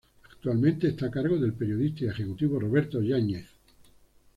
Actualmente está a cargo del periodista y ejecutivo Roberto Yáñez.